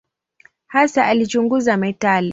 Hasa alichunguza metali.